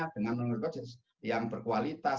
dengan menurut saya yang berkualitas